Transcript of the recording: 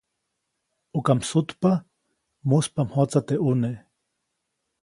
ʼUka msutpa, muspa mjotsa teʼ ʼune.